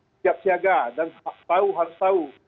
siap siaga dan tahu harus tahu